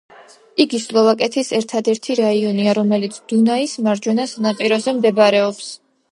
იგი სლოვაკეთის ერთადერთი რაიონია, რომელიც დუნაის მარჯვენა სანაპიროზე მდებარეობს.